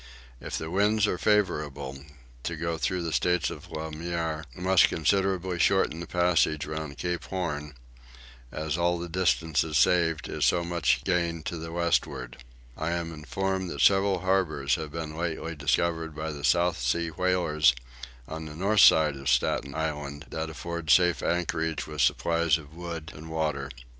If the winds are favourable, to go through Straits le Maire must considerably shorten the passage round Cape Horn, as all the distance saved is so much gained to the westward. I am informed that several harbours have been lately discovered by the South Sea whalers on the north side of Staten Island that afford safe anchorage with supplies of wood and water.